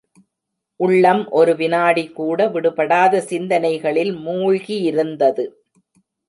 உள்ளம் ஒரு விநாடிகூட விடுபடாத சிந்தனைகளில் மூழ்கியிருந்தது.